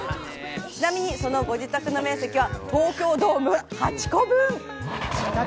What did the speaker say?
ちなみにそのご自宅の面積は東京ドーム８個分。